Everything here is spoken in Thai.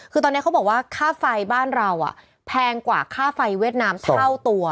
คือตอนนี้เขาบอกว่าค่าไฟบ้านเราแพงกว่าค่าไฟเวียดนามเท่าตัว